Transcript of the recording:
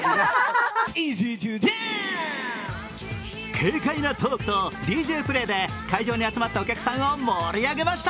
軽快なトークとＤＪプレーで会場に集まったお客さんを盛り上げました。